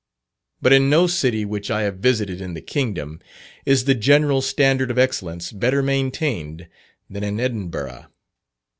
But in no city which I have visited in the kingdom, is the general standard of excellence better maintained than in Edinburgh.